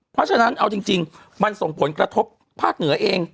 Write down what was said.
เพราะฉะนั้นเอาจริงมันส่งผลกระทบภาคเหนือเอง